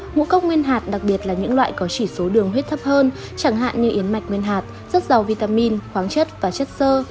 ngũ cốc nguyên hạt đặc biệt là những loại có chỉ số đường huyết thấp hơn chẳng hạn như yến mạch nguyên hạt rất giàu vitamin khoáng chất và chất sơ